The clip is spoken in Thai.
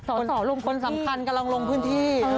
สอลงพื้นที่คนสำคัญกำลังลงพื้นที่